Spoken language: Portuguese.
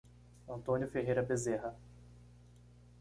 Antônio Ferreira Bezerra